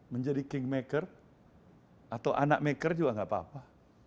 menjadi kingmaker atau anak maker juga gak apa apa